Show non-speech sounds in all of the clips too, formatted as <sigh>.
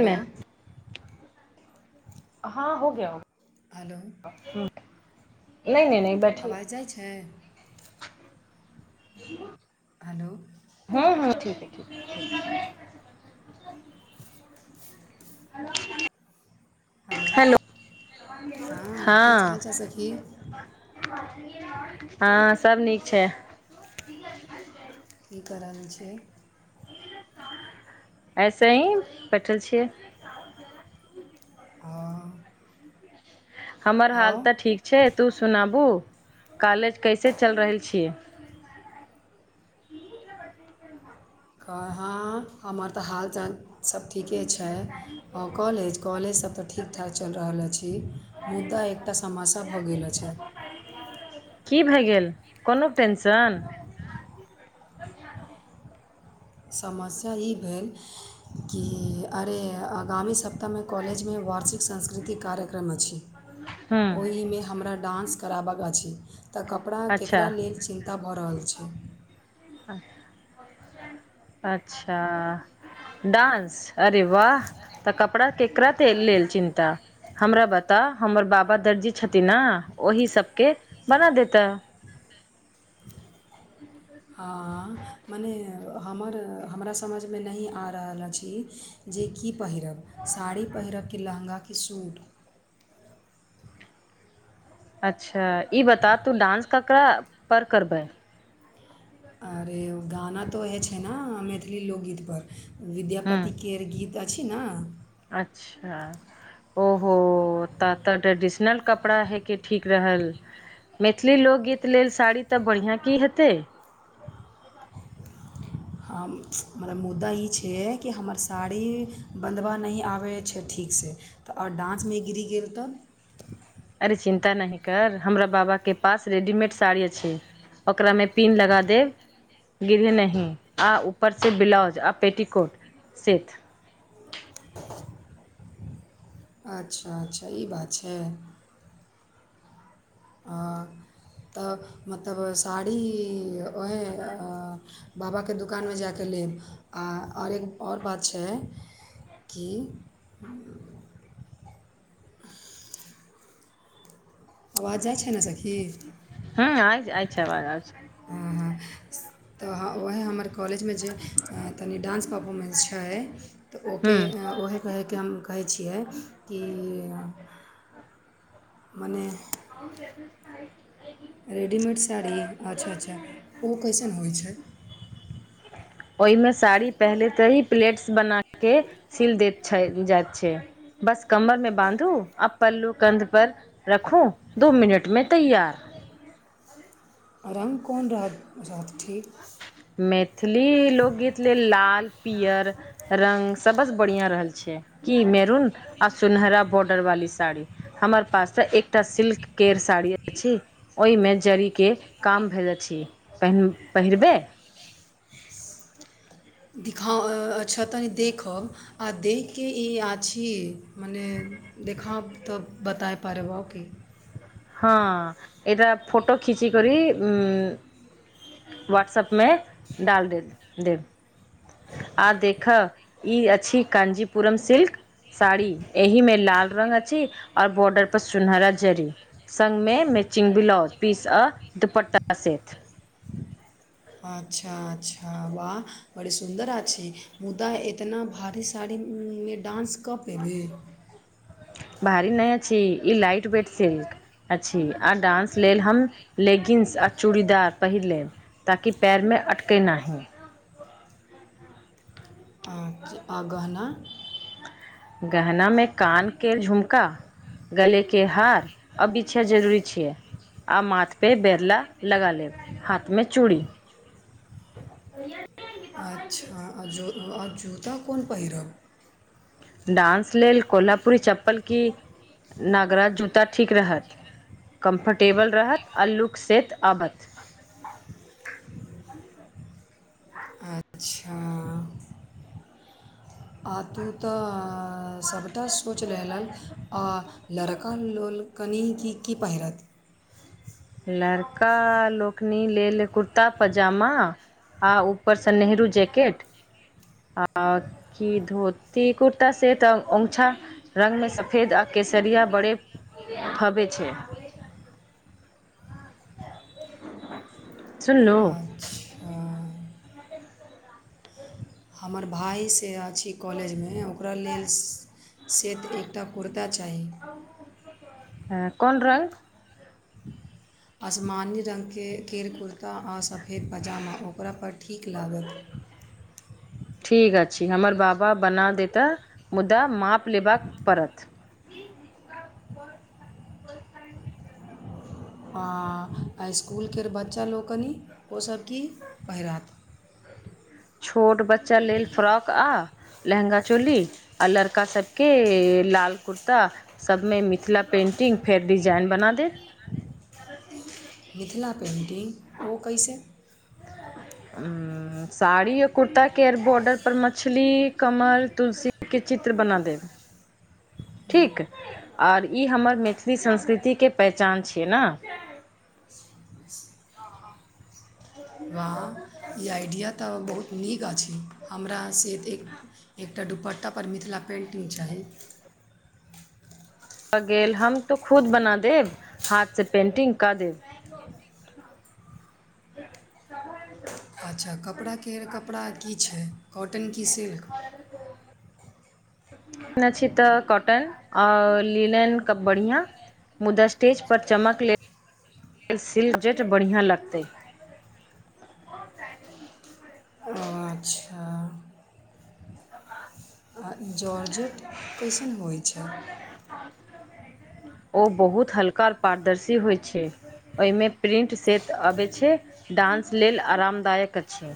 Hello हँ हो गया हो हेलो नैय नैय नैय बैठी। आवाज जाइ छै <unintelligible> हलो। हूं हूं ठीके ठीके <unintelligible> हेलो। हेलो हँ की छ हँ हालचाल सखी? हँ सब नीक छै। की करल छी? ऐसे ही बैठल छियै। अअ <inaudible> हमर हाल तऽ ठीक छै तू सुनाबू कॉलेज कैसे चलि रहल छी कहाँ हमर तऽ हालचाल सभ ठीके छै आ कॉलेज कॉलेजसब तऽ ठीक ठाक चलि रहल अछि मुदा एकटा समासा भऽ गेल अछि की भए गेल कोनोक टेंशन समस्या ई भेल की अरे आगामी सप्ताहमे कॉलेजमे वार्षिक सांस्कृतिक कार्यक्रम अछि हूँ ओहिमे हमरा डान्स कराबक अछि तऽ कपड़ा अच्छा केकरा लेल चिन्त त भऽ रहल छी अच्छा डान्स अरे वाह तऽ कपड़ा केकरा तेल लेल चिन्ता हमरा बता हमर बाबा दर्जी छथिन न ओहि सबके बना देता हाँ मने हमर हमरा समझमे नहि आ रहल अछि जे की पहिरब साड़ी पहिरब की लहँगा की सूट अच्छा ई बता तू डान्स ककरा पर करबै अरे उ गाना तऽ वएहे छै न मैथिली लोकगीतपर हूँ विद्यापतिकेर गीत अछि न अच्छा ओहो त तऽ ट्रेडिशनल कपड़ा हइके ठीक रहल मैथिली लोकगीत लेल साड़ी तऽ बढ़िआँ की हेतै हम मने मुद्दा ई छय कि हमर साड़ी बंधब नय आबै छै ठीकसे तऽ ओर डान्समे गिरी गेल तऽ अरे चिन्ता नहि कर हमरा बाबाके पास रेडीमेड साड़ी अछि ओकरा मे पीन लगा देब गिरे नहि आ ऊपरसँ ब्लाउज आ पेटीकोट सेट अच्छा अच्छा ई बात छै अ, <inaudible> तऽ मतलब साड़ी उएह अ बाबाके दोकानमे जा कऽ लेब आ आओर एक ओर बात छै की <unintelligible> आवाज जाई छै न सखी हँ आइ छ आइ छै आबाज आय छ हँ हँ तऽ उएह हमर कॉलेजमे जे तनि डांस परफॉर्मेंस छै तऽ ओके हूँ उएहे कहैके हम कहै छियै की मने <unintelligible> रेडीमेड साड़ी अच्छा अच्छा ओ कईसन होइ छै ओहिमे साड़ी पहिले तऽ ही प्लेट्स बना के सिल देत छै बुझात छै बस कमरमे बाँधू आ पल्लू कंध पर रखू दो मिनटमें तैयार रंग कोन रह-रहत ठीक? मैथिलि लोकगीत लेल लाल पियर रंग सबस बढ़िया रहल छै कि मेरून आ सुनहरा बॉर्डर वाली साड़ी। हमर पास त एकटा सिल्क केयर साड़ी अछि ओहिमे जड़ीके काम अछि पर पहिरबै। दिखाउ अच्छ तनि देखब आ देख कऽ ई आछी मने देखब तऽ बताय पड़बौ की हँ एटा फोटो खिचिक करि उ हाट्सप मे डाल देत देब आ देखा ई अछि काञजीपुरम सिल्क साड़ी एहि में लाल रंग अछि और बॉर्डर पर सुनहरा जरी। सङ्मे मैचिंग ब्लाउज पीस आ दुपट्टाास सेत अच्छा अच्छा वाह बड़ी सुन्दर आ छी मुदा इतना भारीसँ साड़ीमे डान्स कऽ पयली? भारी नहि अ छी ई लइट वेट सिल्क। अछि आ डान्स लेल हम लेगिन्स आ चूड़ीदार पहिर लेब। ताकि पैरमे अटकै नाही। आच आ गहना। गहना में कान के झुमका गले के हार अब इछा जरूरी छियै। आ माथपर बैरला लगा लेब हाथमे चूड़ी अच्छा आ ज आओ जूता कोन पहिरब? डान्स लेल कोल्हापुररी चप्पल की नगराज जूता ठीक रहत। कम्फर्टेबल रहत आ लुक सेत अबत। अच्छा <unintelligible> आ तू तऽ सभटा सोचि लेलक आ लड़का लोल कनि की की पहिरत? लड़का लोकनि लेल कुर्ता पैजामा आ ऊपरसँ नेहरू जैकेट आ की धोती कुर्ता से तऽ ँछा रंग मे सफेद आ केसरिया बड़े <unintelligible> हबे छै <unintelligible> सुनलू अच्छा हमर भाय से आछि कॉलेजमे ओकरा लेल सँ से तऽ एकटा कुर्ता चाही। <unintelligible> हँ कोन रङ् असमान्य रङ्गके केर कुर्ता आ सफेद पजामा ओकरापर ठीक लागत। ठीक अछि हमर बाबा बना देता मुदा माप लेबाक पड़त। आ इसकुलके बच्चा लोकनि ओसब की पहिरात? छोट बच्चा लेल फ्रॉक आ लहंगा चोली आ लड़का सबके लाल कुर्ता सबमे मिथिला पेंटिंग फेर िजाइन बना दे। <unintelligible> त मिथिला पेन्टिंग ओ कैसे। <unintelligible> ह साड़ी आओर कुर्ताके बॉर्डर पर मछली, कमल, तुलसीके चित्र बना देब। <inaudible> ठीक आओर ई हमर मैथिली संस्कृतिके पहचान छियै ने। वाह! ई आइडिया तऽ बहुत नीक अछि, हमरा से एतेक एकटा दुपट्टा पर मिथिला पेन्टिंग चाही। भ गेल, हम तो खुद बना देब, हाथ से पेंटिंग क देब। <inaudible> अच्छा! कपड़ा केर, कपड़ा की छै, कॉटन की सिल्क? न छी तऽ कॉटन, आओर लीलन कबके बढ़िआ। मुदा स्टेज पर चमक लेल, सिल्कजेट बढ़िआँ लगतै। अच्छा! आ जॉर्जट कइसन होइ छै? ओ बहुत हल्का, पारदर्शी होइ छै। ओहिमे प्रिंट सेट अबै छै, डान्स लेल आरामदायक अछि।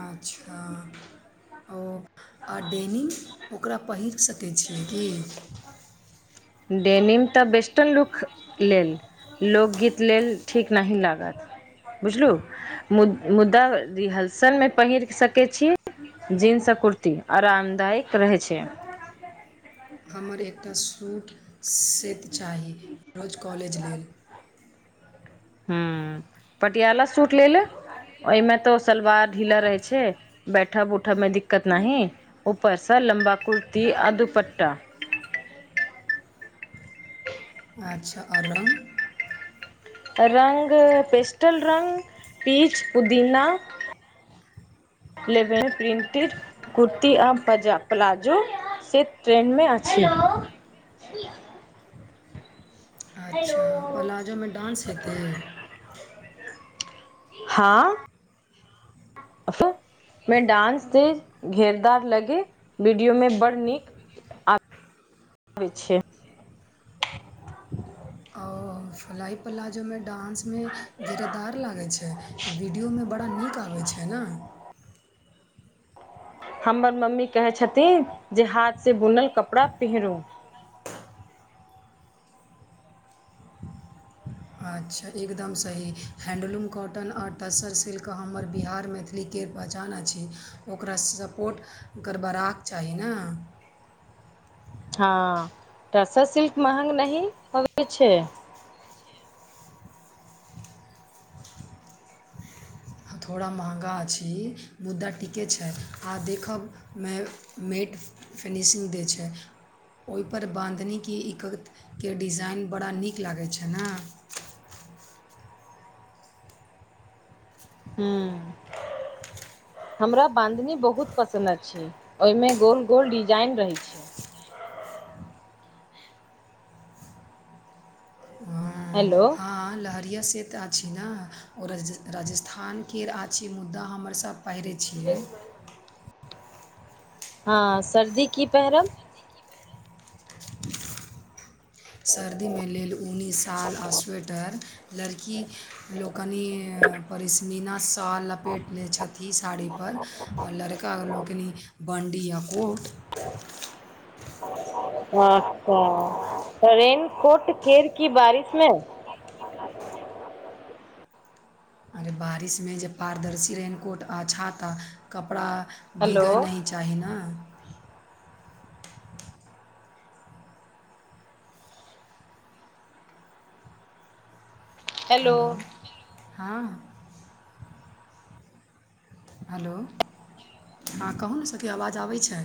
अच्छा! ओ आ डेनीम, ओकरा पहिर सकैत छियै की? देनीम तऽ वेस्टर्न लुक लेल, लोकगीत लेल ठीक नहि लागत, बुझलहु। मु मुद्दा, रिहर्सलमे पहिर सकैत छी। जींस आ कुर्ती, आरामदायक रहै छै। हमरा एकटा सूट सेट चाही, रोज कॉलेज लेल। ह्म, पटियाला सूट लेले, ओहिमे तऽ सलवार ढीला रहै छै, बैठब- उठब में दिक्कत नहीं। उपर सऽ लंबा कुर्ती, आ दुपट्टा। अच्छा! आओर रङ्ग? रङ् पेस्टल रङ्ग, पीच पुदीना। लेभेन प्रिन्टेड। कुर्ती आ पजा प्लाजो, से ट्रेंडमे अछि। <inaudible> अच्छा! प्लाजोमे डान्स हेतै? हँ, अफ में डान्स से घेरदार लगे, वीडियोमे बड़ नीक। आबै छै। ओ। फलाइ प्लाजोमे डान्समे, घिरदार लागै छै। तऽ वीडियोमे बड़ा नीक आबै छै ने। हमर मम्मी कहे छथिन,। जे हाथ से बुनल कपड़ा पेहरू। अच्छा! एकदम सही, हैण्डलूम, कॉटन, आओर टस्सर सिल्क, हमर बिहारमे लिके पहचानै अछी, ओकरा सपोर्ट कड़बड़ाक चाही ने। हँ, टरसर सिल्क महग नहि होबय छै। थोड़ा महँगा अछि, मुद्दा ठीके छै, आह देखब मे मेट फिनिशिंग दै छै। ओहिपर बाँधनीके ईकके डिजाइन बड़ा नीक लागैत छ ने। हू। हमरा बानधनी बहुत पसन्द अछि, ओहिमे गोल गोल डिजाइन रहैत छै। <inaudible> हेलो! लहेरिया से तऽ अछि, न राजस्थानके अछि, मुद्दा हमर सब पहिरै छियै। हँ सर्दी की पैहरब सर्दीमे लेल ऊनी साल आ स्वेटर लड़की लोकनि परिस्मीना सॉल लपेट लैत छथिन इ साड़ी पर आ लड़का लोकनि बंडी या कोट अच्छा त रेन कोट केर की बारिश मे अरे बारिश में जे पारदर्शी रेनकोट आ छाता कपड़ा हेलो भीगे नहि चाहीना हेलो हँ हेलो हँ कहु ने सखी आवाज आबै छै